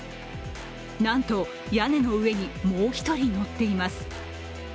なんと、屋根の上にもう一人乗っています。